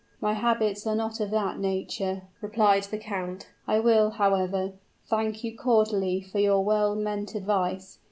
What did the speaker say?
"My habits are not of that nature," replied the count. "I, however, thank you cordially for your well meant advice.